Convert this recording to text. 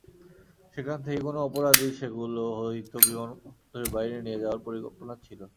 সেখান থেকে কোনো অপরাধীর সেগুলো হয়তো বিমানবন্দরের বাইরে নিয়ে যাওয়ার পরিকল্পনা ছিল।